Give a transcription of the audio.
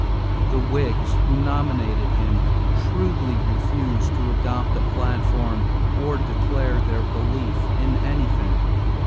The Whigs who nominated him shrewdly refused to adopt a platform or declare their belief in anything.